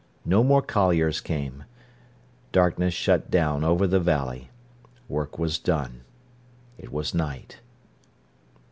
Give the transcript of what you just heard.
No more colliers came. Darkness shut down over the valley; work was done. It was night.